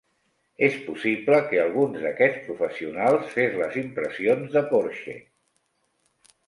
És possible que algun d'aquests professionals fes les impressions de Porxe.